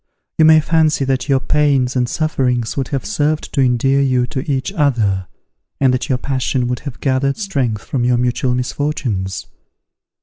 You may fancy that your pains and sufferings would have served to endear you to each other, and that your passion would have gathered strength from your mutual misfortunes.